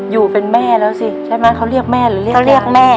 อยู่เป็นแม่แล้วสิใช่มั้ยเขาเรียกแม่หรือเรียกแม่